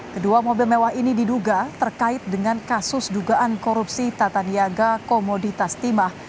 kedua mobil mewah ini diduga terkait dengan kasus dugaan korupsi tata niaga komoditas timah